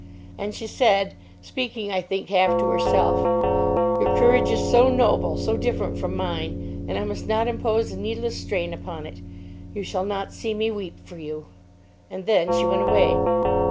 And she said, speaking, I think, half to herself, 'Your courage is so noble, so different from mine. And I must not impose a needless strain upon it. You shall not see me weep for you.' And then she went away."